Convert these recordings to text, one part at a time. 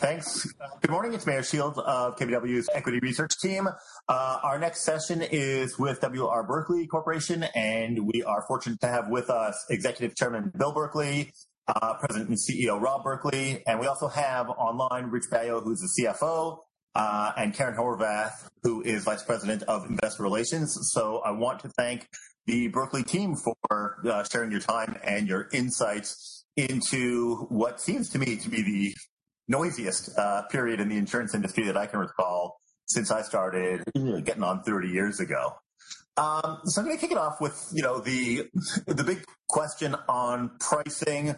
Thanks. Good morning, it's Meyer Shields of KBW's Equity Research team. Our next session is with W. R. Berkley Corporation. We are fortunate to have with us Executive Chairman, Bill Berkley, President and CEO, Rob Berkley, and we also have online, Rich Baio, who is the CFO, and Karen Horvath, who is Vice President of Investor Relations. I want to thank the Berkley team for sharing your time and your insights into what seems to me to be the noisiest period in the insurance industry that I can recall since I started getting on 30 years ago. I'm going to kick it off with the big question on pricing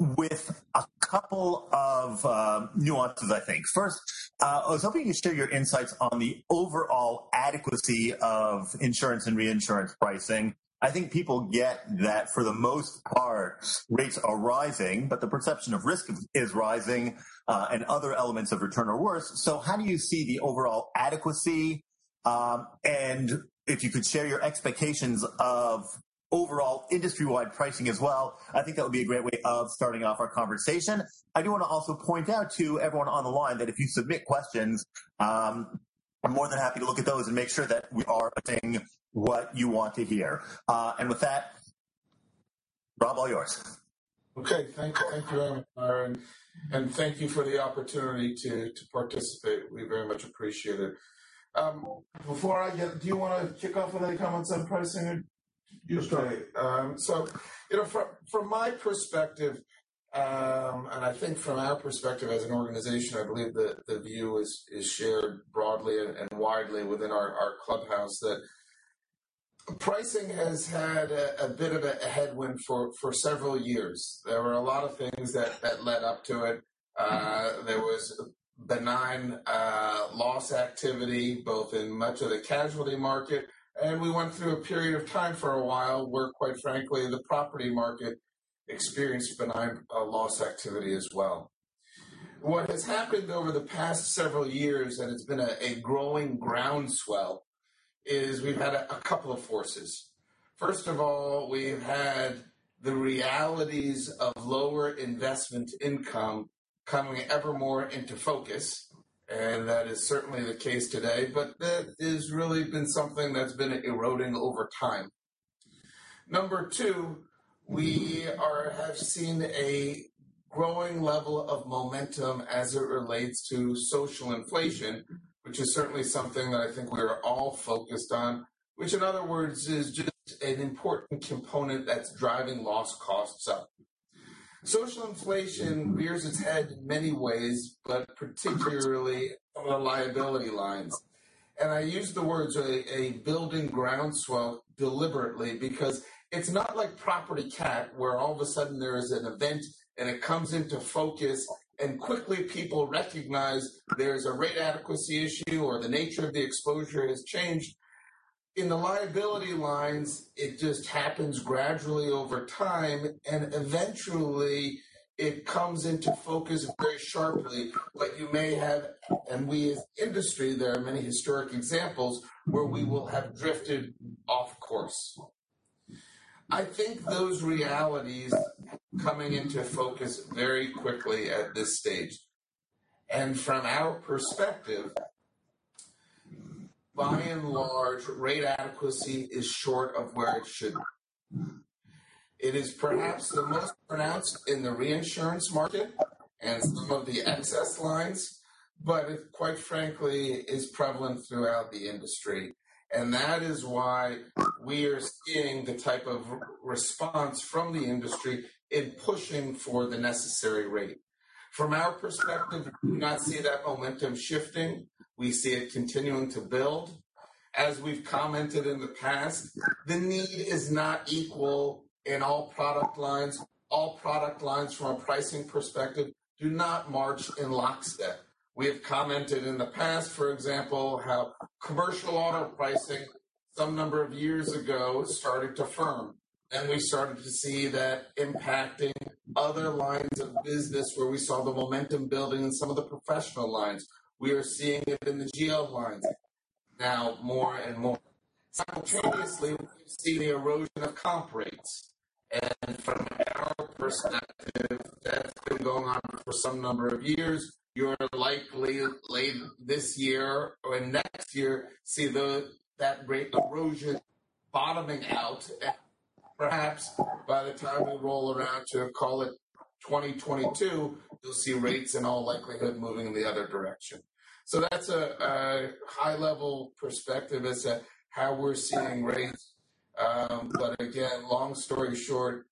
with a couple of nuances, I think. First, I was hoping you'd share your insights on the overall adequacy of insurance and reinsurance pricing. I think people get that, for the most part, rates are rising, but the perception of risk is rising, and other elements of return are worse. How do you see the overall adequacy? If you could share your expectations of overall industry-wide pricing as well, I think that would be a great way of starting off our conversation. I do want to also point out to everyone on the line that if you submit questions, I'm more than happy to look at those and make sure that we are saying what you want to hear. With that, Rob, all yours. Okay. Thank you, Meyer. Thank you for the opportunity to participate. We very much appreciate it. Do you want to kick off with any comments on pricing or- You start. From my perspective, I think from our perspective as an organization, I believe that the view is shared broadly and widely within our clubhouse that pricing has had a bit of a headwind for several years. There were a lot of things that led up to it. There was benign loss activity, both in much of the casualty market, and we went through a period of time for a while where, quite frankly, the property market experienced benign loss activity as well. What has happened over the past several years, it's been a growing groundswell, is we've had a couple of forces. First of all, we've had the realities of lower investment income coming ever more into focus, and that is certainly the case today. That is really been something that's been eroding over time. Number two, we have seen a growing level of momentum as it relates to social inflation, which is certainly something that I think we're all focused on, which, in other words, is just an important component that's driving loss costs up. Social inflation rears its head in many ways, but particularly on the liability lines. I use the words a building groundswell deliberately because it's not like property cat, where all of a sudden there is an event and it comes into focus and quickly people recognize there's a rate adequacy issue or the nature of the exposure has changed. In the liability lines, it just happens gradually over time, and eventually it comes into focus very sharply, but you may have, and we as industry, there are many historic examples where we will have drifted off course. I think those realities coming into focus very quickly at this stage. From our perspective, by and large, rate adequacy is short of where it should be. It is perhaps the most pronounced in the reinsurance market and some of the excess lines, but it, quite frankly, is prevalent throughout the industry. That is why we are seeing the type of response from the industry in pushing for the necessary rate. From our perspective, we do not see that momentum shifting. We see it continuing to build. As we've commented in the past, the need is not equal in all product lines. All product lines from a pricing perspective do not march in lockstep. We have commented in the past, for example, how commercial auto pricing some number of years ago started to firm, and we started to see that impacting other lines of business where we saw the momentum building in some of the professional lines. We are seeing it in the GL lines now more and more. Simultaneously, we're seeing the erosion of comp rates. From our perspective, that's been going on for some number of years. You're likely late this year or next year, see that rate erosion bottoming out, and perhaps by the time we roll around to call it 2022, you'll see rates in all likelihood moving in the other direction. That's a high-level perspective as to how we're seeing rates. Again, long story short,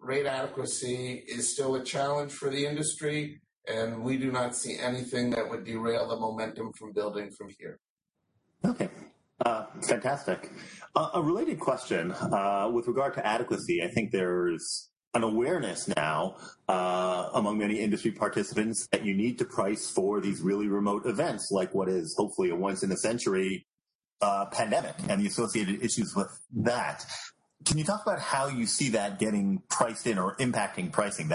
rate adequacy is still a challenge for the industry, and we do not see anything that would derail the momentum from building from here. Okay. Fantastic. A related question with regard to adequacy, I think there's an awareness now among many industry participants that you need to price for these really remote events, like what is hopefully a once-in-a-century pandemic and the associated issues with that. Can you talk about how you see that getting priced in or impacting pricing?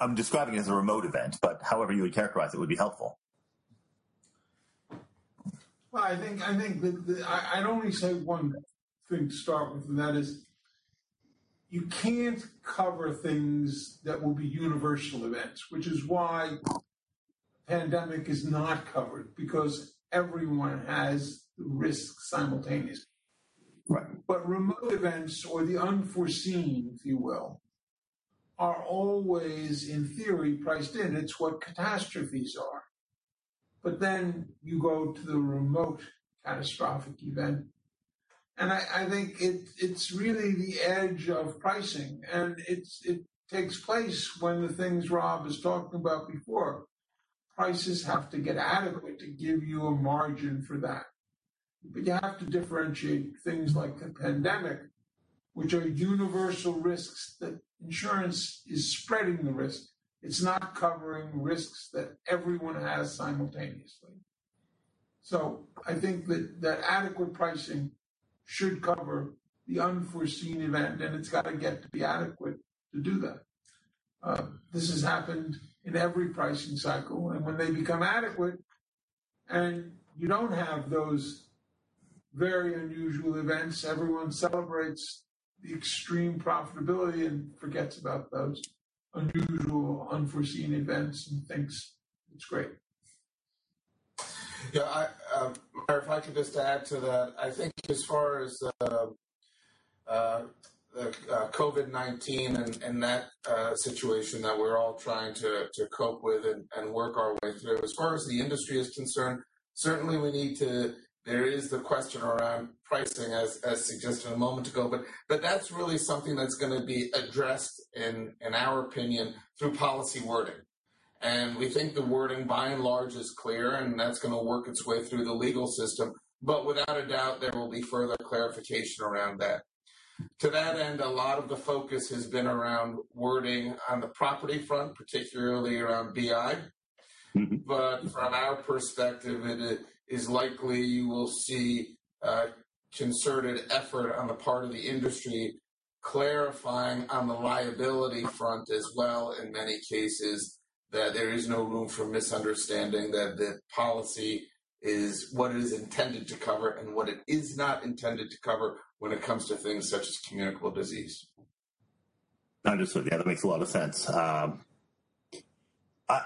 I'm describing it as a remote event, however you would characterize it would be helpful. I think I'd only say one thing to start with, that is you can't cover things that will be universal events, which is why pandemic is not covered, because everyone has risk simultaneously. Right. Remote events or the unforeseen, if you will, are always, in theory, priced in. It's what catastrophes are. Then you go to the remote catastrophic event, I think it's really the edge of pricing, and it takes place when the things Rob was talking about before. Prices have to get adequate to give you a margin for that. You have to differentiate things like the pandemic, which are universal risks, that insurance is spreading the risk. It's not covering risks that everyone has simultaneously. I think that adequate pricing should cover the unforeseen event, and it's got to get to be adequate to do that. This has happened in every pricing cycle, when they become adequate and you don't have those very unusual events, everyone celebrates the extreme profitability and forgets about those unusual, unforeseen events and thinks it's great. Yeah. If I could just add to that, I think as far as COVID-19 and that situation that we're all trying to cope with and work our way through, as far as the industry is concerned, certainly there is the question around pricing, as suggested a moment ago, but that's really something that's going to be addressed, in our opinion, through policy wording. We think the wording by and large is clear, and that's going to work its way through the legal system. Without a doubt, there will be further clarification around that. To that end, a lot of the focus has been around wording on the property front, particularly around BI. From our perspective, it is likely you will see a concerted effort on the part of the industry clarifying on the liability front as well in many cases, that there is no room for misunderstanding, that the policy is what it is intended to cover and what it is not intended to cover when it comes to things such as communicable disease. Understood. Yeah, that makes a lot of sense.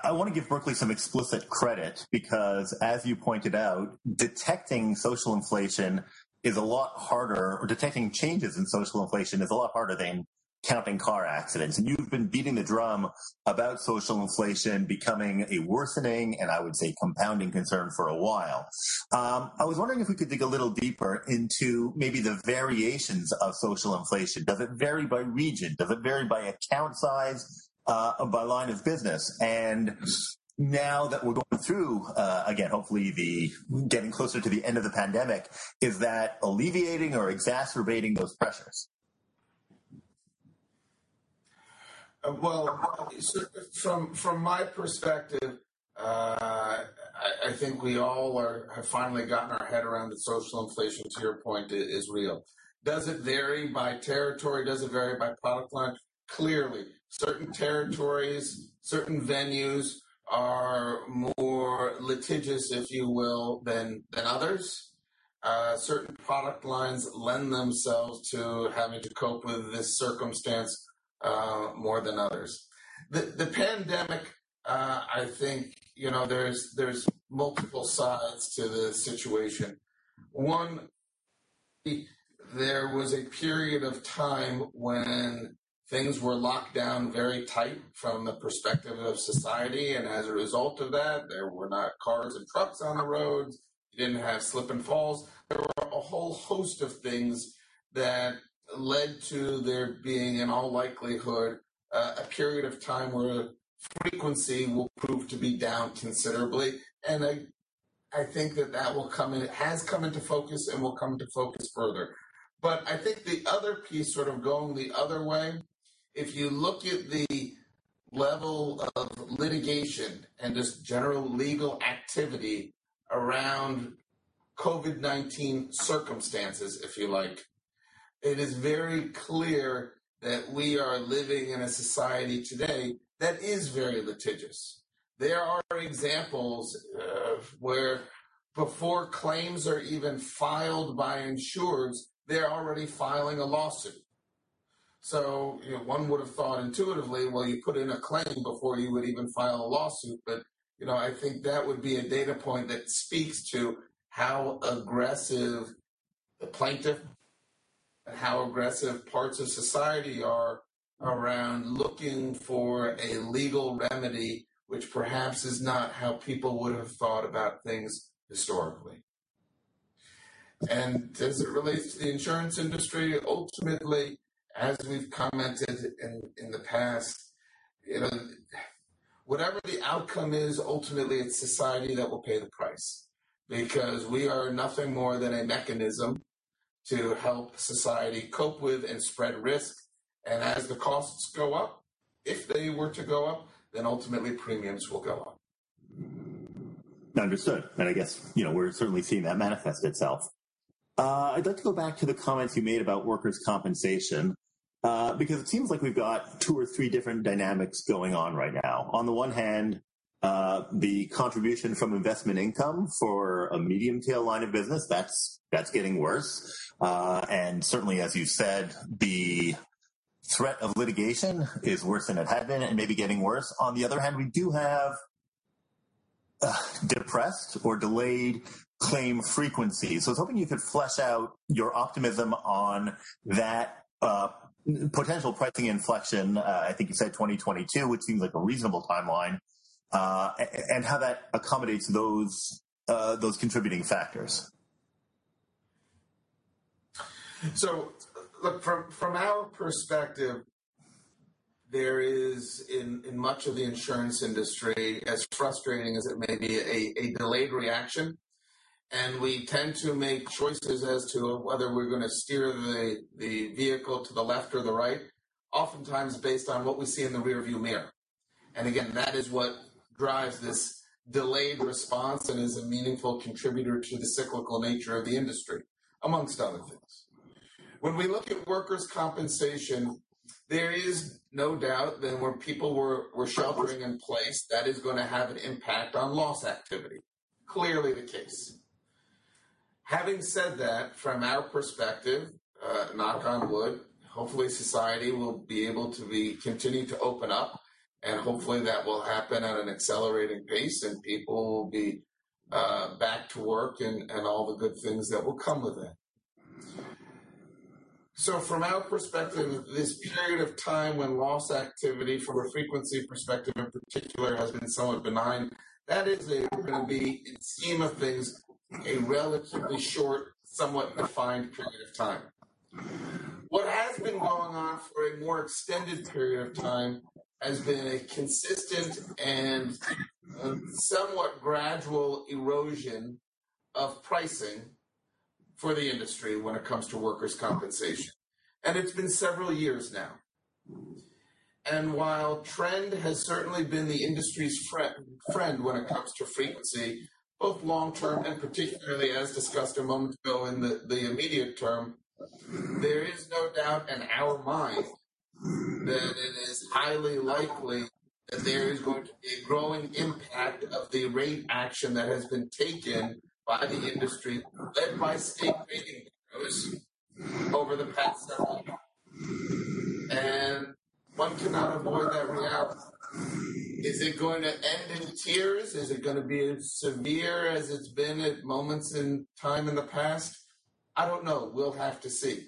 I want to give Berkley some explicit credit because, as you pointed out, detecting social inflation is a lot harder, or detecting changes in social inflation is a lot harder than counting car accidents. You've been beating the drum about social inflation becoming a worsening, and I would say compounding concern for a while. I was wondering if we could dig a little deeper into maybe the variations of social inflation. Does it vary by region? Does it vary by account size? By line of business? Now that we're going through, again, hopefully getting closer to the end of the pandemic, is that alleviating or exacerbating those pressures? Well, from my perspective, I think we all have finally gotten our head around that social inflation, to your point, is real. Does it vary by territory? Does it vary by product line? Clearly, certain territories, certain venues are more litigious, if you will, than others. Certain product lines lend themselves to having to cope with this circumstance more than others. The pandemic, I think there's multiple sides to the situation. One, there was a period of time when things were locked down very tight from the perspective of society. As a result of that, there were not cars and trucks on the roads. You didn't have slip and falls. There were a whole host of things that led to there being, in all likelihood, a period of time where frequency will prove to be down considerably. I think that that will come, and it has come into focus and will come to focus further. I think the other piece sort of going the other way, if you look at the level of litigation and just general legal activity around COVID-19 circumstances, if you like, it is very clear that we are living in a society today that is very litigious. There are examples of where before claims are even filed by insurers, they're already filing a lawsuit. One would have thought intuitively, well, you put in a claim before you would even file a lawsuit. I think that would be a data point that speaks to how aggressive the plaintiff and how aggressive parts of society are around looking for a legal remedy, which perhaps is not how people would have thought about things historically. As it relates to the insurance industry, ultimately, as we've commented in the past, whatever the outcome is, ultimately it's society that will pay the price because we are nothing more than a mechanism to help society cope with and spread risk. As the costs go up, if they were to go up, then ultimately premiums will go up. Understood. I guess we're certainly seeing that manifest itself. I'd like to go back to the comments you made about workers' compensation, because it seems like we've got two or three different dynamics going on right now. On the one hand, the contribution from investment income for a medium-tail line of business, that's getting worse. Certainly, as you said, the threat of litigation is worse than it had been and may be getting worse. On the other hand, we do have depressed or delayed claim frequency. I was hoping you could flesh out your optimism on that potential pricing inflection, I think you said 2022, which seems like a reasonable timeline, and how that accommodates those contributing factors. Look, from our perspective, there is, in much of the insurance industry, as frustrating as it may be, a delayed reaction, and we tend to make choices as to whether we're going to steer the vehicle to the left or the right, oftentimes based on what we see in the rear view mirror. Again, that is what drives this delayed response and is a meaningful contributor to the cyclical nature of the industry, amongst other things. When we look at workers' compensation, there is no doubt that when people were sheltering in place, that is going to have an impact on loss activity. Clearly the case. Having said that, from our perspective, knock on wood, hopefully society will be able to be continuing to open up, and hopefully that will happen at an accelerating pace and people will be back to work and all the good things that will come with it. From our perspective, this period of time when loss activity from a frequency perspective in particular has been somewhat benign, that is going to be, in scheme of things, a relatively short, somewhat defined period of time. What has been going on for a more extended period of time has been a consistent and somewhat gradual erosion of pricing for the industry when it comes to workers' compensation. It's been several years now. While trend has certainly been the industry's friend when it comes to frequency, both long-term and particularly, as discussed a moment ago in the immediate term, there is no doubt in our mind that it is highly likely that there is going to be a growing impact of the rate action that has been taken by the industry, led by state bureaus over the past several months. One cannot avoid that reality. Is it going to end in tears? Is it going to be as severe as it's been at moments in time in the past? I don't know. We'll have to see.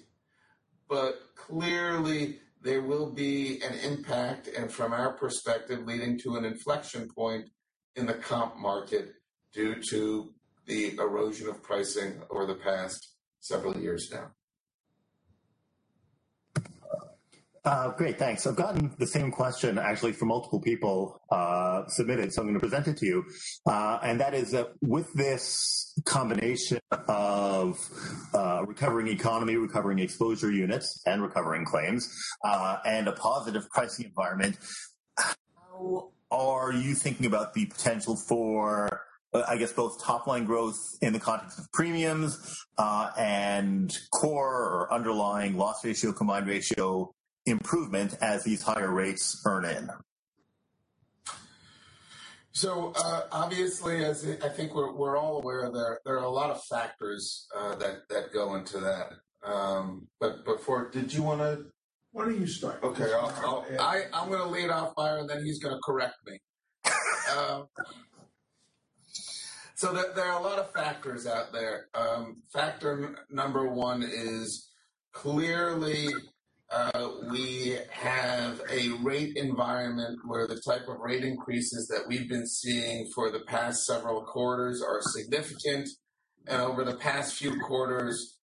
Clearly there will be an impact, and from our perspective, leading to an inflection point in the comp market due to the erosion of pricing over the past several years now. Great, thanks. I've gotten the same question actually from multiple people submitted, I'm going to present it to you. That is that with this combination of a recovering economy, recovering exposure units and recovering claims, and a positive pricing environment, how are you thinking about the potential for, I guess, both top-line growth in the context of premiums, and core or underlying loss ratio, combined ratio improvement as these higher rates earn in? Obviously, as I think we're all aware, there are a lot of factors that go into that. Before, did you want to? Why don't you start? Okay. I'm going to lead off fire, then he's going to correct me. There are a lot of factors out there. Factor number 1 is clearly, we have a rate environment where the type of rate increases that we've been seeing for the past several quarters are significant. Over the past few quarters,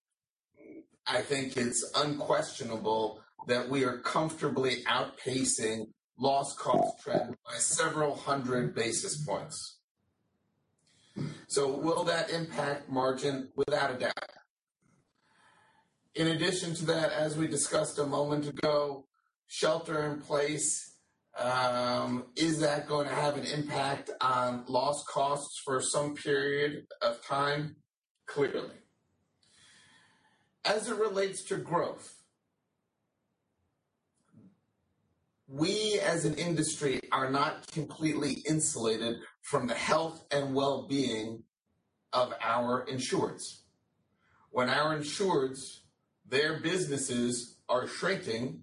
I think it's unquestionable that we are comfortably outpacing loss cost trend by several hundred basis points. Will that impact margin? Without a doubt. In addition to that, as we discussed a moment ago, shelter in place, is that going to have an impact on loss costs for some period of time? Clearly. As it relates to growth, we as an industry are not completely insulated from the health and wellbeing of our insureds. When our insureds, their businesses are shrinking,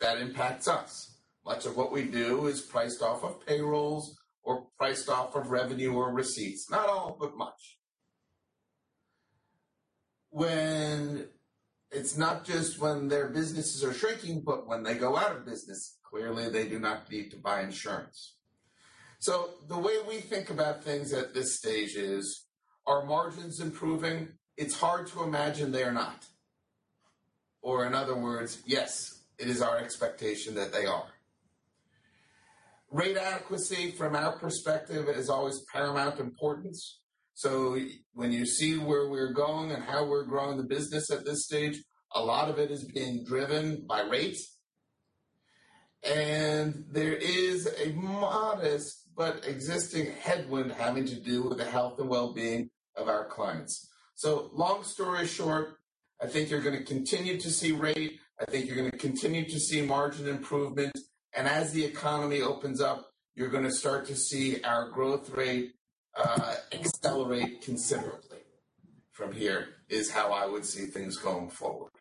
that impacts us. Much of what we do is priced off of payrolls or priced off of revenue or receipts. Not all, but much. It's not just when their businesses are shrinking, but when they go out of business, clearly they do not need to buy insurance. The way we think about things at this stage is, are margins improving? It's hard to imagine they are not. In other words, yes, it is our expectation that they are. Rate adequacy from our perspective is always paramount importance. When you see where we're going and how we're growing the business at this stage, a lot of it is being driven by rates. There is a modest but existing headwind having to do with the health and wellbeing of our clients. Long story short, I think you're going to continue to see rate, I think you're going to continue to see margin improvement. As the economy opens up, you're going to start to see our growth rate accelerate considerably from here, is how I would see things going forward.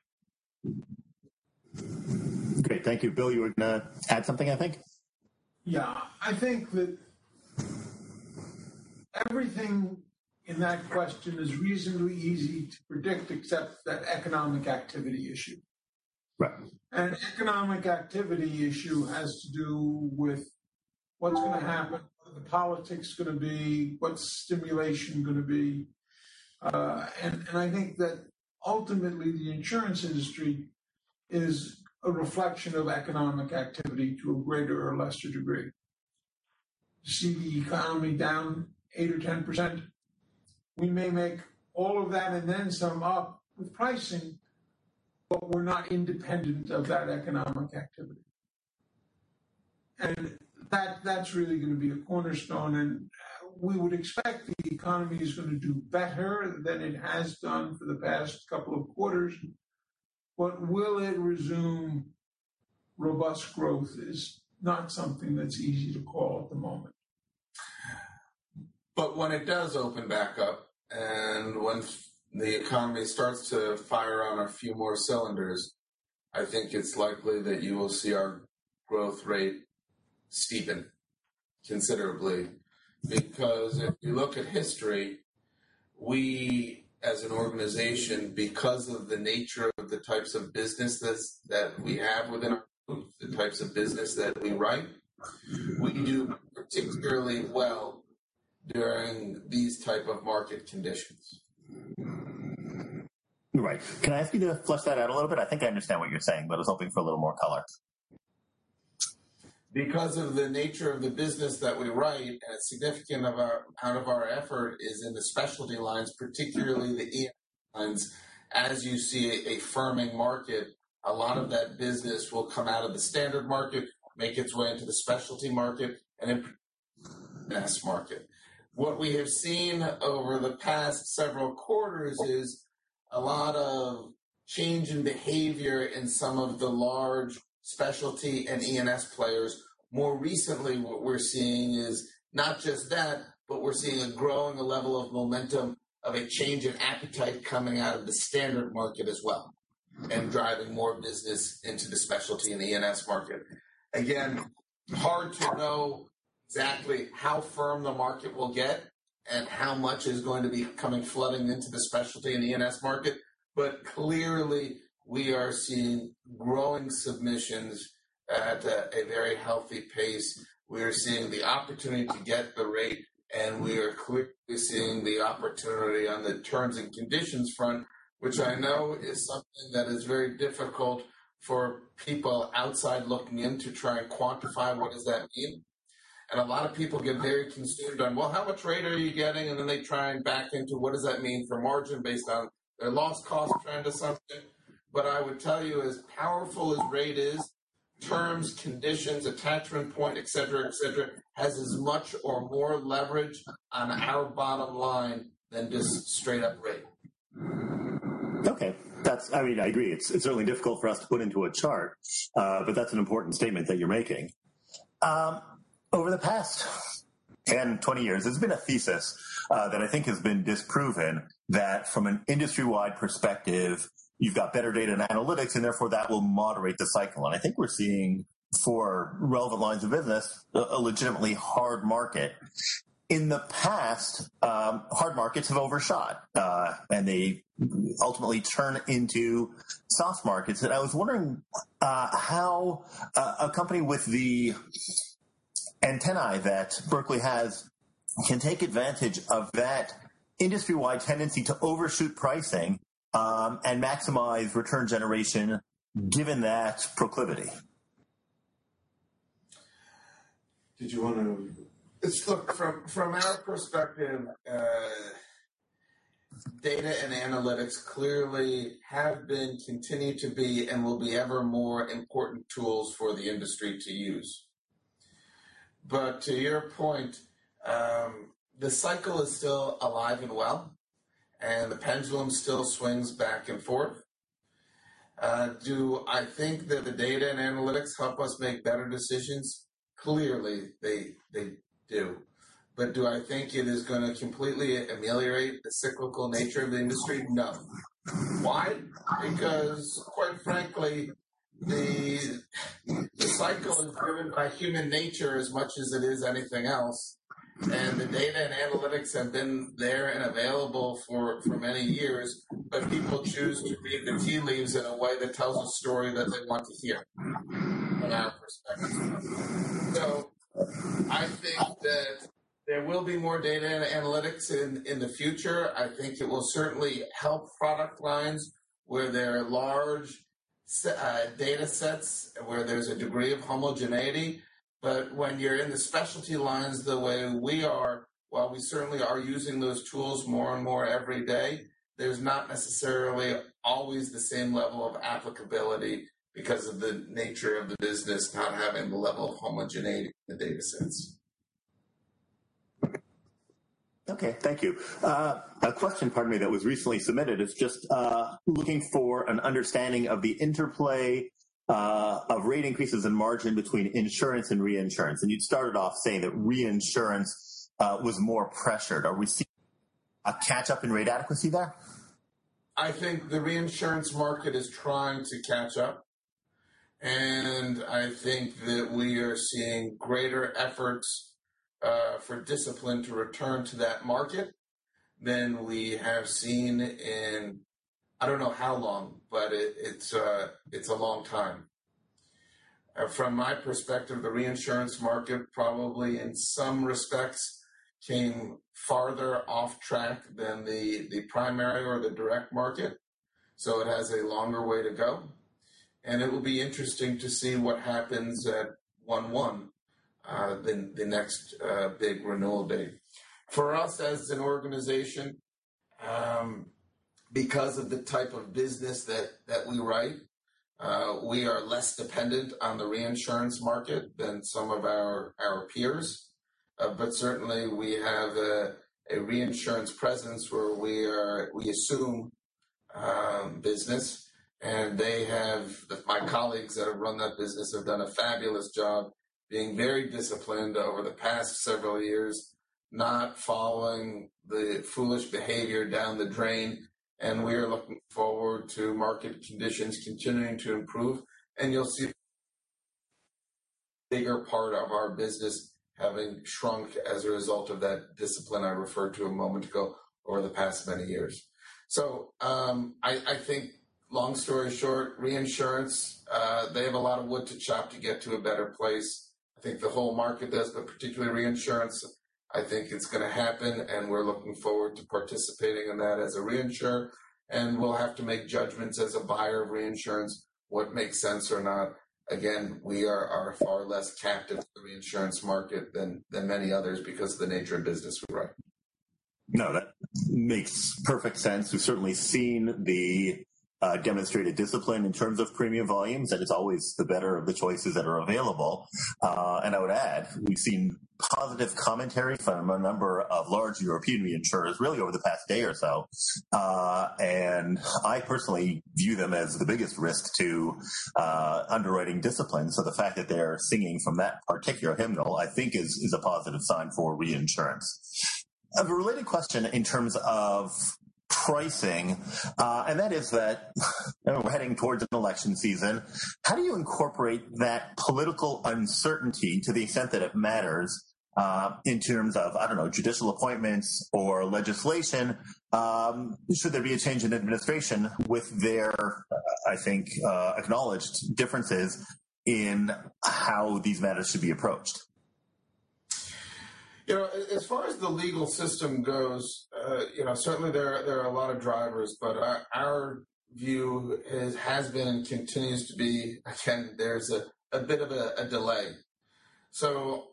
Okay. Thank you. Bill, you were going to add something, I think. Yeah. I think that everything in that question is reasonably easy to predict, except that economic activity issue. Right. Economic activity issue has to do with what's going to happen, what are the politics going to be, what's stimulation going to be. I think that ultimately, the insurance industry is a reflection of economic activity to a greater or lesser degree. You see the economy down eight or 10%, we may make all of that and then some up with pricing, but we're not independent of that economic activity. That's really going to be a cornerstone, and we would expect the economy is going to do better than it has done for the past couple of quarters. Will it resume robust growth is not something that's easy to call at the moment. When it does open back up, and once the economy starts to fire on a few more cylinders, I think it's likely that you will see our growth rate steepen considerably. If you look at history, we as an organization, because of the nature of the types of businesses that we have within our group, the types of business that we write, we do particularly well during these type of market conditions. Right. Can I ask you to flesh that out a little bit? I think I understand what you're saying, but I was hoping for a little more color. Because of the nature of the business that we write, a significant amount of our effort is in the specialty lines, particularly the E&S lines. As you see a firming market, a lot of that business will come out of the standard market, make its way into the specialty market and E&S market. What we have seen over the past several quarters is a lot of change in behavior in some of the large specialty and E&S players. More recently, what we're seeing is not just that, but we're seeing a growing level of momentum of a change in appetite coming out of the standard market as well and driving more business into the specialty and E&S market. Again, hard to know exactly how firm the market will get and how much is going to be coming flooding into the specialty and E&S market. Clearly, we are seeing growing submissions at a very healthy pace. We are seeing the opportunity to get the rate, we are clearly seeing the opportunity on the terms and conditions front, which I know is something that is very difficult for people outside looking in to try and quantify what does that mean. A lot of people get very consumed on, well, how much rate are you getting? Then they try and back into what does that mean for margin based on their loss cost trend assumption. I would tell you, as powerful as rate is, terms, conditions, attachment point, et cetera, et cetera, has as much or more leverage on our bottom line than just straight up rate. Okay. I agree. It's certainly difficult for us to put into a chart, that's an important statement that you're making. Over the past 10, 20 years, there's been a thesis that I think has been disproven that from an industry-wide perspective, you've got better data and analytics, therefore, that will moderate the cycle. I think we're seeing, for relevant lines of business, a legitimately hard market. In the past, hard markets have overshot, they ultimately turn into soft markets. I was wondering how a company with the antennae that Berkley has can take advantage of that industry-wide tendency to overshoot pricing, and maximize return generation given that proclivity. Did you want to? Look, from our perspective, data and analytics clearly have been, continue to be, and will be ever more important tools for the industry to use. To your point, the cycle is still alive and well, and the pendulum still swings back and forth. Do I think that the data and analytics help us make better decisions? Clearly, they do. Do I think it is going to completely ameliorate the cyclical nature of the industry? No. Why? Quite frankly, the cycle is driven by human nature as much as it is anything else. The data and analytics have been there and available for many years, but people choose to read the tea leaves in a way that tells a story that they want to hear, from our perspective. I think that there will be more data and analytics in the future. I think it will certainly help product lines where there are large data sets, where there's a degree of homogeneity. When you're in the specialty lines the way we are, while we certainly are using those tools more and more every day, there's not necessarily always the same level of applicability because of the nature of the business not having the level of homogeneity in the data sets. Okay, thank you. A question, pardon me, that was recently submitted is just looking for an understanding of the interplay of rate increases and margin between insurance and reinsurance. You'd started off saying that reinsurance was more pressured. Are we seeing a catch-up in rate adequacy there? I think the reinsurance market is trying to catch up. I think that we are seeing greater efforts for discipline to return to that market than we have seen in, I don't know how long, but it's a long time. From my perspective, the reinsurance market probably in some respects came farther off-track than the primary or the direct market, so it has a longer way to go. It will be interesting to see what happens at 1/1, the next big renewal date. For us as an organization, because of the type of business that we write, we are less dependent on the reinsurance market than some of our peers. Certainly, we have a reinsurance presence where we assume business, and my colleagues that have run that business have done a fabulous job being very disciplined over the past several years, not following the foolish behavior down the drain. We are looking forward to market conditions continuing to improve. You'll see a bigger part of our business having shrunk as a result of that discipline I referred to a moment ago over the past many years. I think long story short, reinsurance, they have a lot of wood to chop to get to a better place. I think the whole market does, but particularly reinsurance. I think it's going to happen, and we're looking forward to participating in that as a reinsurer. We'll have to make judgments as a buyer of reinsurance, what makes sense or not. Again, we are far less captive to the reinsurance market than many others because of the nature of business we write. No, that makes perfect sense. We've certainly seen the demonstrated discipline in terms of premium volumes. That is always the better of the choices that are available. I would add, we've seen positive commentary from a number of large European reinsurers really over the past day or so. I personally view them as the biggest risk to underwriting discipline. The fact that they're singing from that particular hymnal, I think is a positive sign for reinsurance. A related question in terms of pricing, and that is that we're heading towards an election season. How do you incorporate that political uncertainty to the extent that it matters in terms of, I don't know, judicial appointments or legislation should there be a change in administration with their, I think, acknowledged differences in how these matters should be approached? As far as the legal system goes, certainly there are a lot of drivers, but our view has been and continues to be, again, there's a bit of a delay.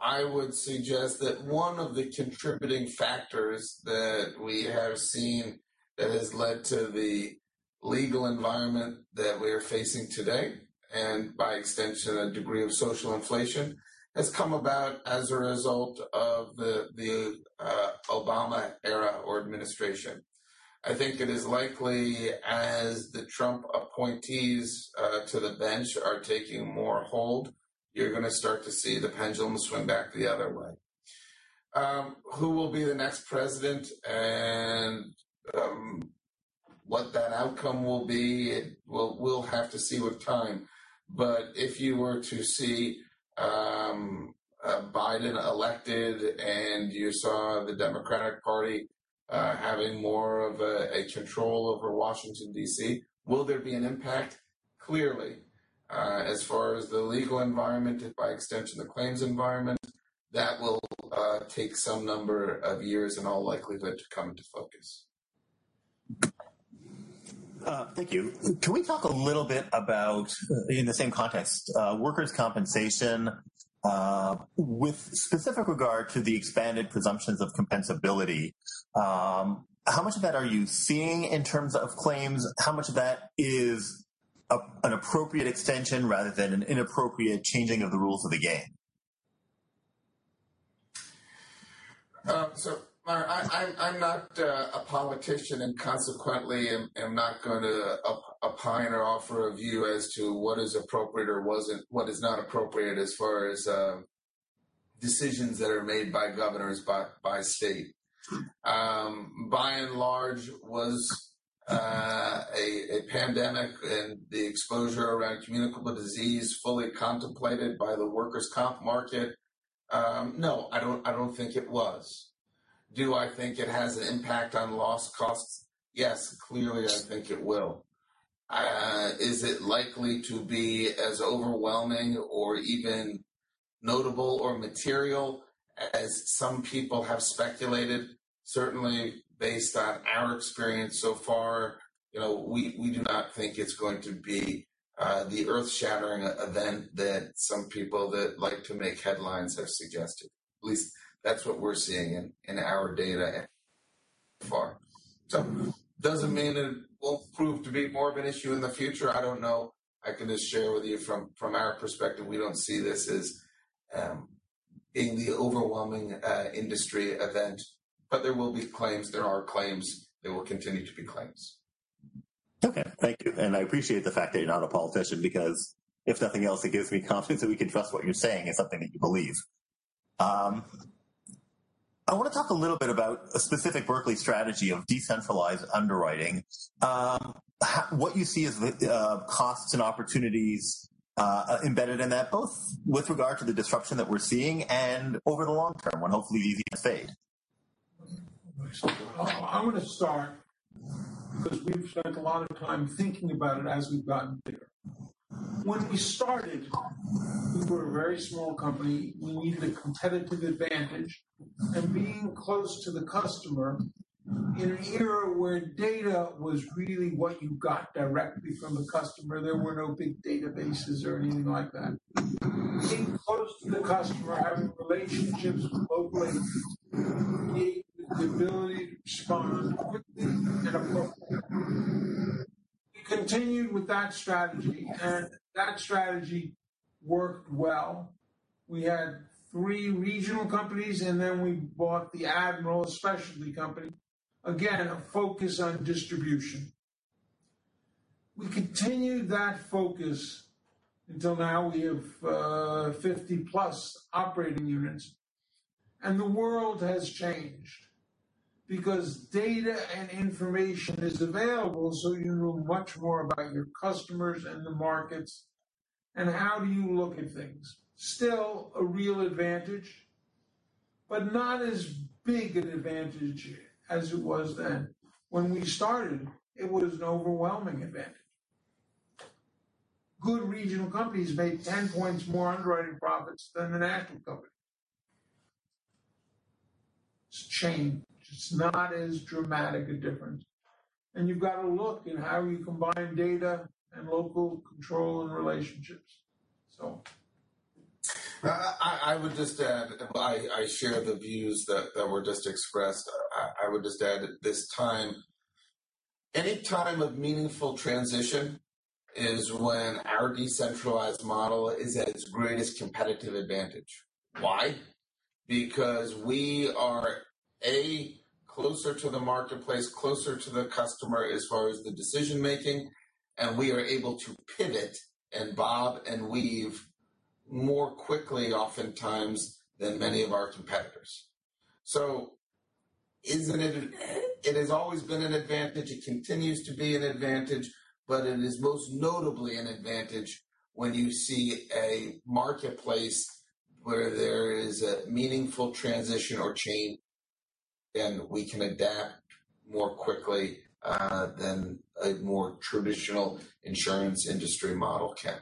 I would suggest that one of the contributing factors that we have seen that has led to the legal environment that we are facing today, and by extension, a degree of social inflation, has come about as a result of the Obama era or administration. I think it is likely as the Trump appointees to the bench are taking more hold, you're going to start to see the pendulum swing back the other way. Who will be the next president and what that outcome will be, we'll have to see with time. If you were to see Biden elected and you saw the Democratic Party having more of a control over Washington, D.C., will there be an impact? Clearly. As far as the legal environment and by extension, the claims environment, that will take some number of years in all likelihood to come into focus. Thank you. Can we talk a little bit about, in the same context, Workers' Compensation with specific regard to the expanded presumptions of compensability? How much of that are you seeing in terms of claims? How much of that is an appropriate extension rather than an inappropriate changing of the rules of the game? Meyer, I'm not a politician, and consequently, am not going to opine or offer a view as to what is appropriate or what is not appropriate as far as decisions that are made by governors by state. By and large, was a pandemic and the exposure around communicable disease fully contemplated by the Workers' Comp market? No, I don't think it was. Do I think it has an impact on loss costs? Yes, clearly, I think it will. Is it likely to be as overwhelming or even notable or material? As some people have speculated, certainly based on our experience so far, we do not think it's going to be the earth-shattering event that some people that like to make headlines have suggested. At least that's what we're seeing in our data so far. Doesn't mean that it won't prove to be more of an issue in the future, I don't know. I can just share with you from our perspective, we don't see this as being the overwhelming industry event. There will be claims. There are claims. There will continue to be claims. Okay. Thank you, and I appreciate the fact that you're not a politician because if nothing else, it gives me confidence that we can trust what you're saying is something that you believe. I want to talk a little bit about a specific Berkley strategy of decentralized underwriting. What you see as the costs and opportunities embedded in that, both with regard to the disruption that we're seeing and over the long term, when hopefully these things fade. I'm going to start because we've spent a lot of time thinking about it as we've gotten bigger. When we started, we were a very small company. We needed a competitive advantage and being close to the customer in an era where data was really what you got directly from the customer, there were no big databases or anything like that. Being close to the customer, having relationships locally gave the ability to respond quickly and appropriately. We continued with that strategy, and that strategy worked well. We had three regional companies, then we bought the Admiral Insurance Group. Again, a focus on distribution. We continued that focus until now we have 50 plus operating units, the world has changed because data and information is available, you know much more about your customers and the markets and how you look at things. Still a real advantage, not as big an advantage as it was then. When we started, it was an overwhelming advantage. Good regional companies made 10 points more underwriting profits than the national company. It's changed. It's not as dramatic a difference. You've got to look in how you combine data and local control and relationships. I would just add, I share the views that were just expressed. I would just add that this time, any time of meaningful transition is when our decentralized model is at its greatest competitive advantage. Why? Because we are, A, closer to the marketplace, closer to the customer as far as the decision-making, and we are able to pivot and bob and weave more quickly oftentimes than many of our competitors. It has always been an advantage. It continues to be an advantage, but it is most notably an advantage when you see a marketplace where there is a meaningful transition or change, then we can adapt more quickly than a more traditional insurance industry model can.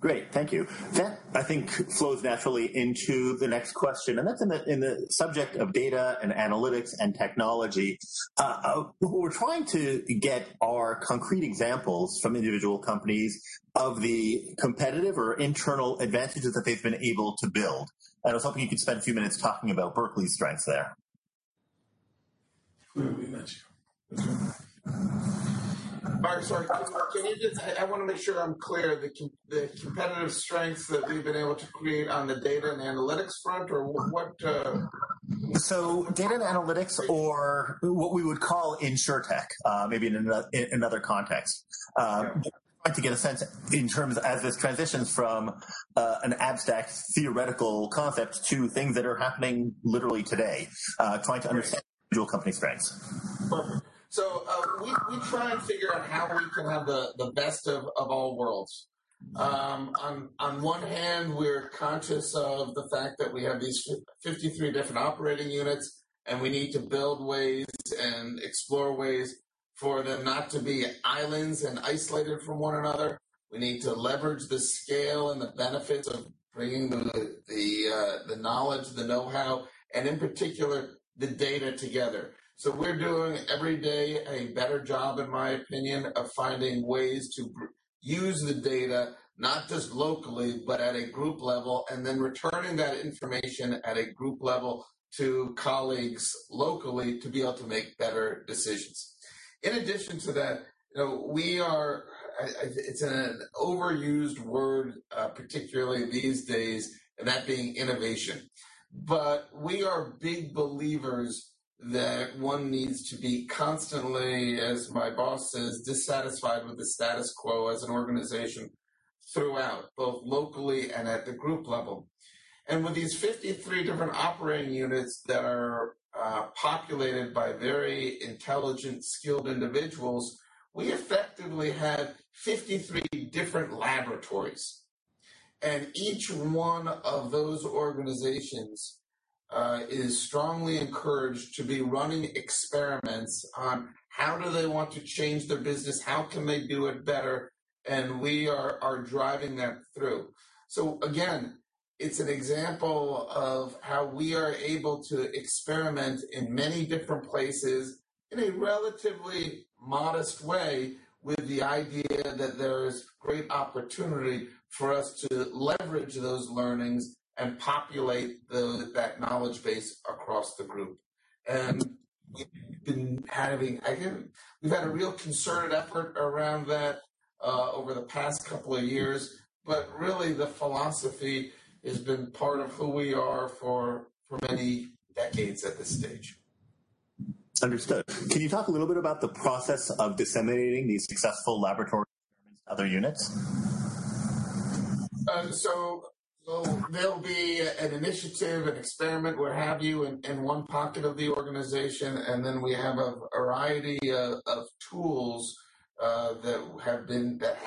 Great. Thank you. That, I think, flows naturally into the next question, and that's in the subject of data and analytics and technology. What we're trying to get are concrete examples from individual companies of the competitive or internal advantages that they've been able to build. I was hoping you could spend a few minutes talking about Berkley's strengths there. Who do we mention? Mark, sorry. I want to make sure I'm clear, the competitive strengths that we've been able to create on the data and analytics front. Data and analytics or what we would call insurtech maybe in another context. I want to get a sense in terms as this transitions from an abstract theoretical concept to things that are happening literally today, trying to understand your company's strengths. We try and figure out how we can have the best of all worlds. On one hand, we're conscious of the fact that we have these 53 different operating units, and we need to build ways and explore ways for them not to be islands and isolated from one another. We need to leverage the scale and the benefits of bringing the knowledge, the know-how, and in particular, the data together. We're doing every day a better job, in my opinion, of finding ways to use the data, not just locally, but at a group level, and then returning that information at a group level to colleagues locally to be able to make better decisions. In addition to that, it's an overused word, particularly these days, and that being innovation. We are big believers that one needs to be constantly, as my boss says, dissatisfied with the status quo as an organization throughout, both locally and at the group level. With these 53 different operating units that are populated by very intelligent, skilled individuals, we effectively have 53 different laboratories. Each one of those organizations is strongly encouraged to be running experiments on how do they want to change their business, how can they do it better, and we are driving that through. Again, it's an example of how we are able to experiment in many different places in a relatively modest way with the idea that there is great opportunity for us to leverage those learnings and populate that knowledge base across the group. We've had a real concerted effort around that over the past couple of years. Really, the philosophy has been part of who we are for many decades at this stage. Understood. Can you talk a little bit about the process of disseminating these successful laboratory experiments to other units? There'll be an initiative, an experiment, what have you, in one pocket of the organization. We have a variety of tools that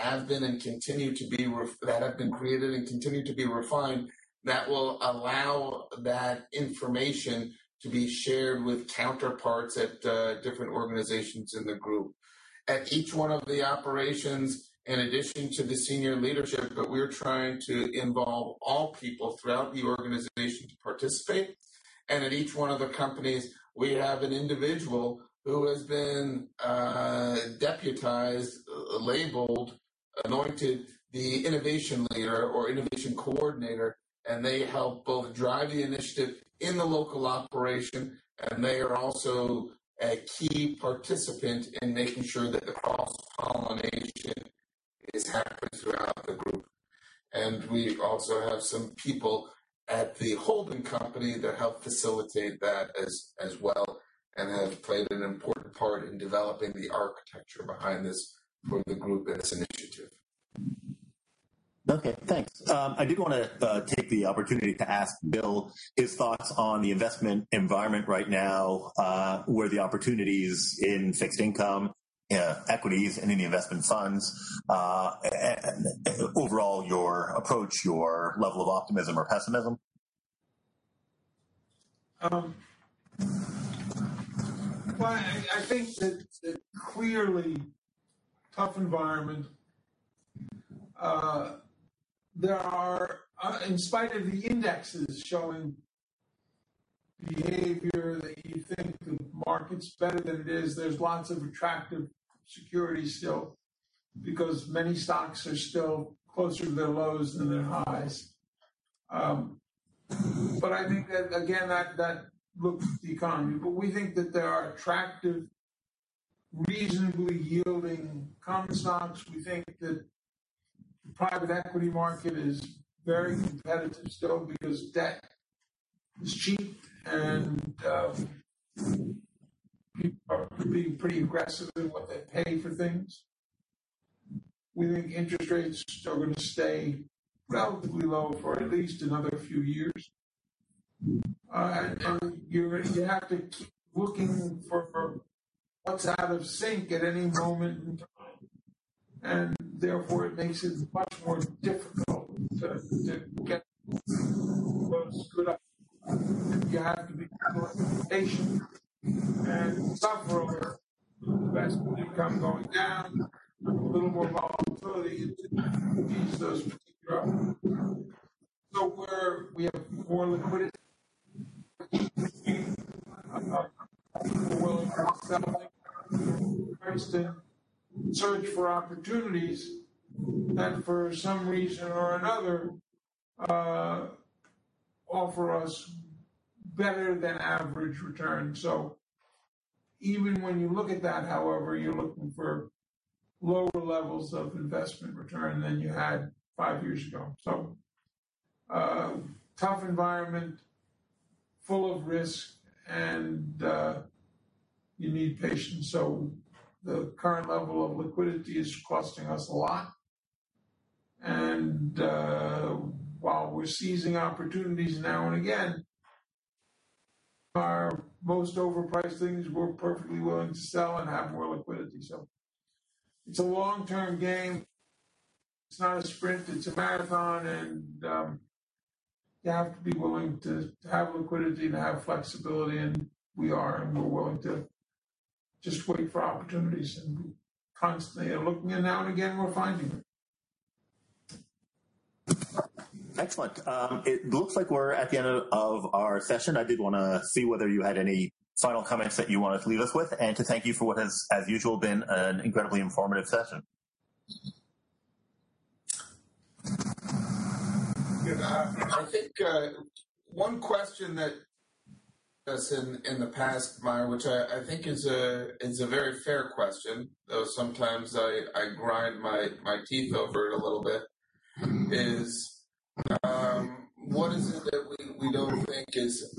have been created and continue to be refined that will allow that information to be shared with counterparts at different organizations in the group. At each one of the operations, in addition to the senior leadership, we're trying to involve all people throughout the organization to participate. At each one of the companies, we have an individual who has been deputized, labeled, anointed the innovation leader or innovation coordinator. They help both drive the initiative in the local operation. They are also a key participant in making sure that the cross-pollination happens throughout the group. We also have some people at the holding company that help facilitate that as well and have played an important part in developing the architecture behind this for the group as an initiative. Okay, thanks. I did want to take the opportunity to ask Bill his thoughts on the investment environment right now, where the opportunity is in fixed income, equities, and any investment funds. Overall, your approach, your level of optimism or pessimism. Well, I think that it's a clearly tough environment. In spite of the indexes showing behavior that you think the market's better than it is, there's lots of attractive securities still because many stocks are still closer to their lows than their highs. I think that again, that looks at the economy. We think that there are attractive, reasonably yielding common stocks. We think that the private equity market is very competitive still because debt is cheap and people are being pretty aggressive in what they pay for things. We think interest rates are going to stay relatively low for at least another few years. You have to keep looking for what's out of sync at any moment in time, and therefore it makes it much more difficult to get those good opportunities. You have to be patient. Some broker, investment income going down, a little more volatility into these specific opportunities. Where we have more liquidity, we're willing to sell it and search for opportunities that for some reason or another offer us better than average return. Even when you look at that, however, you're looking for lower levels of investment return than you had five years ago. Tough environment, full of risk, and you need patience. The current level of liquidity is costing us a lot. While we're seizing opportunities now and again, our most overpriced things we're perfectly willing to sell and have more liquidity. It's a long-term game. It's not a sprint, it's a marathon. You have to be willing to have liquidity, to have flexibility, and we are, and we're willing to just wait for opportunities and constantly are looking, and now and again, we're finding them. Excellent. It looks like we're at the end of our session. I did want to see whether you had any final comments that you wanted to leave us with and to thank you for what has, as usual, been an incredibly informative session. I think one question that's in the past, Meyer, which I think is a very fair question, though sometimes I grind my teeth over it a little bit, is what is it that we don't think is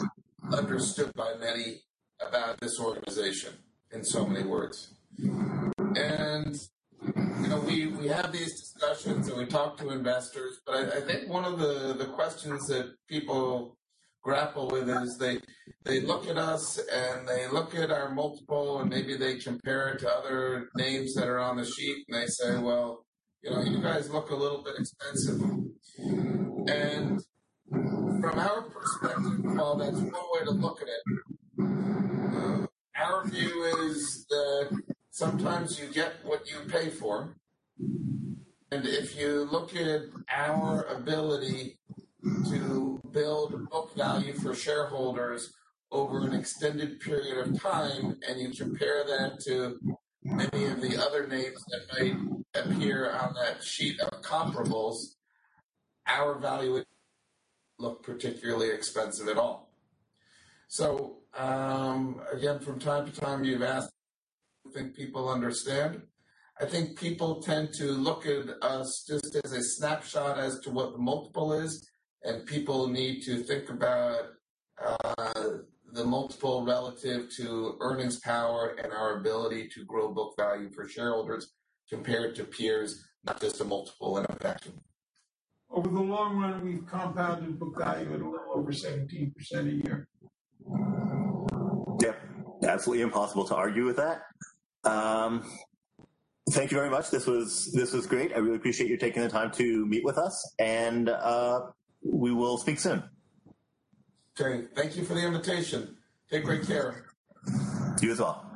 understood by many about this organization in so many words? We have these discussions, and we talk to investors, but I think one of the questions that people grapple with is they look at us and they look at our multiple and maybe they compare it to other names that are on the sheet, and they say, "Well, you guys look a little bit expensive." From our perspective, well, that's one way to look at it. Our view is that sometimes you get what you pay for. If you look at our ability to build book value for shareholders over an extended period of time, you compare that to many of the other names that might appear on that sheet of comparables, our value wouldn't look particularly expensive at all. Again, from time to time, you've asked, I think people understand. I think people tend to look at us just as a snapshot as to what the multiple is, people need to think about the multiple relative to earnings power and our ability to grow book value for shareholders compared to peers, not just a multiple in a vacuum. Over the long run, we've compounded book value at a little over 17% a year. Yeah. Absolutely impossible to argue with that. Thank you very much. This was great. I really appreciate you taking the time to meet with us. We will speak soon. Great. Thank you for the invitation. Take great care. You as well. Thank you.